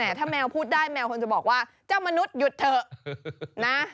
แต่ถ้าแมวพูดได้แมวคงจะบอกว่าเจ้ามนุษย์หยุดเถอะนะ